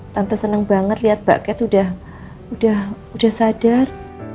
tante seneng banget lihat paket udah sadar